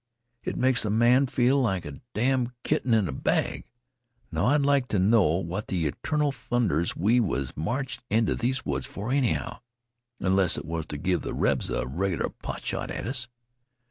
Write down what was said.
It makes a man feel like a damn' kitten in a bag. Now, I'd like to know what the eternal thunders we was marched into these woods for anyhow, unless it was to give the rebs a regular pot shot at us.